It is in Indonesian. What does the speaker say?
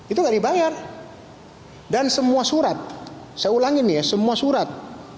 itu nggak dibayar dan semua surat saya ulangi nih ya semua surat